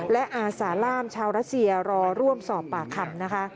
และอาสาล่ามชาวรัสเซียรอร่วมสอบปากคำนะคะ